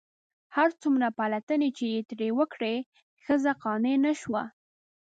هر څومره پلټنې چې یې ترې وکړې ښځه قانع نه شوه.